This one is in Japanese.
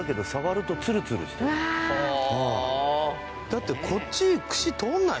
だってこっち。